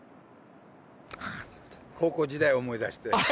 高校時代を思い出して。